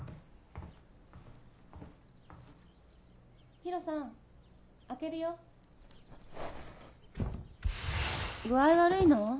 ・ヒロさん開けるよ・具合悪いの？